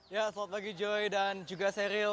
ya selamat pagi joy dan juga seril